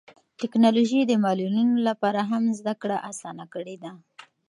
ټیکنالوژي د معلولینو لپاره هم زده کړه اسانه کړې ده.